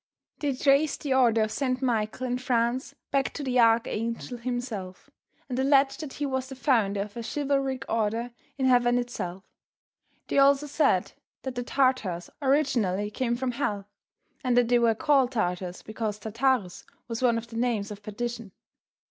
They traced the order of St. Michael in France back to the Archangel himself, and alleged that he was the founder of a chivalric order in heaven itself. They also said that the Tartars originally came from hell, and that they were called Tartars because Tartarus was one of the names of perdition.